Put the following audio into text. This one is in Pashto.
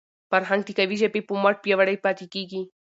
فرهنګ د قوي ژبي په مټ پیاوړی پاتې کېږي.